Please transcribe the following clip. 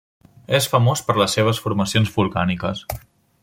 És famós per les seves formacions volcàniques.